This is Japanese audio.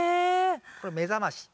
これ目覚まし。